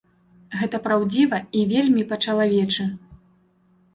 Гэта праўдзіва і вельмі па-чалавечы.